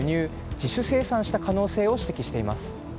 自主生産した可能性を指摘しています。